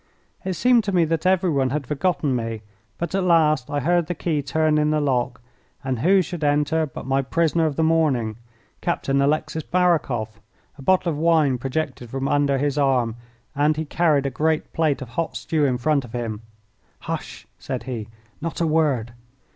It seemed to me that everyone had forgotten me, but at last I heard the key turn in the lock, and who should enter but my prisoner of the morning, Captain Alexis Barakoff. A bottle of wine projected from under his arm, and he carried a great plate of hot stew in front of him. "Hush!" said he; "not a word!